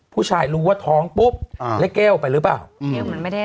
ผู้ชายรู้ว่าท้องปุ๊บแล้วแก้วก็ไม่ได้